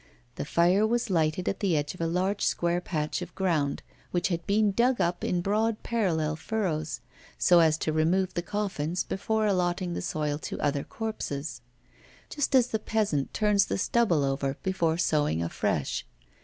The fire was lighted at the edge of a large square patch of ground, which had been dug up in broad parallel furrows, so as to remove the coffins before allotting the soil to other corpses; just as the peasant turns the stubble over before sowing afresh.